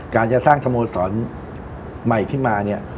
การจะสร้างสโมสรใหม่ขึ้นมาเนี่ย